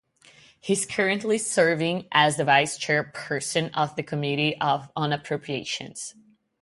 He is currently serving as the Vice Chairperson of the Committee on Appropriations.